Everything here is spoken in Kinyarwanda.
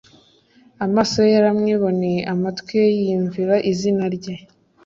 amaso ye yaramwiboneye amatwiye yimvira izina rye.